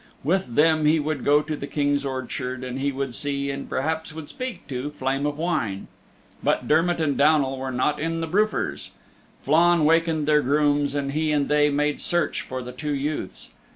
With them he would go to the King's orchard, and he would see, and perhaps he would speak to, Flame of Wine. But Dermott and Downal were not in the Brufir's. Flann wakened their grooms and he and they made search for the two youths.